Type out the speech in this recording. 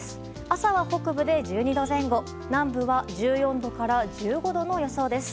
朝は北部で１２度前後南部は１４度から１５度の予想です。